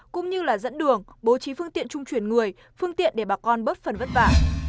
cũng như là dẫn đường bố trí phương tiện trung chuyển người phương tiện để bà con bớt phần vất vả